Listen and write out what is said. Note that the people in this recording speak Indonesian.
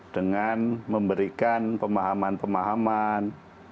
dengan memberikan pemahaman pemahaman